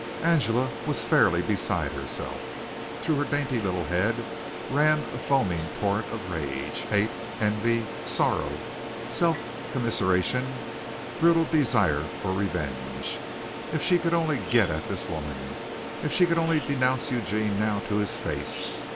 Angela was fairly beside herself. Through her dainty little head ran a foaming torrent of rage, hate, envy, sorrow, self commiseration, brutal desire for revenge. If she could only get at this woman! If she could only denounce Eugene now to his face!